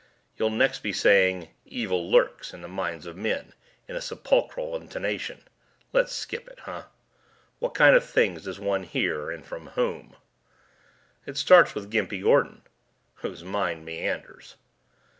You'll next be saying 'Evil Lurks In The Minds Of Men,' in a sepulchral intonation. Let's skip it, huh? What kind of things does one hear and from whom?" "It starts with Gimpy Gordon." "Whose mind meanders."